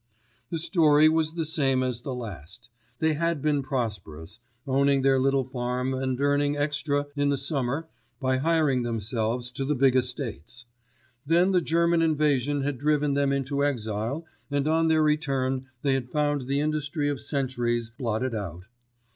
The story was the same as the last. They had been prosperous, owning their little farm and earning extra in the summer by hiring themselves to the big estates. Then the German invasion had driven them into exile and on their return they had found the industry of centuries blotted out.